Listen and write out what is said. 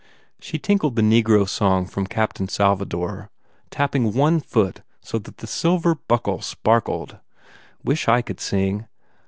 She tinkled the negro song from "Captain Salvador" tapping one foot so that the silver buckle sparkled. "Wish I could sing